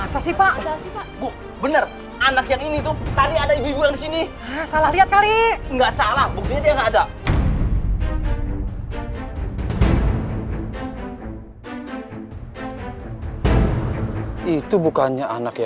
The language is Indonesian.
sampai jumpa di video selanjutnya